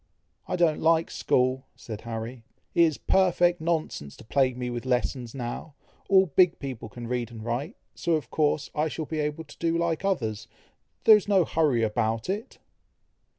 "I don't like school!" said Harry. "It is perfect nonsense to plague me with lessons now. All big people can read and write, so, of course, I shall be able to do like others. There is no hurry about it!"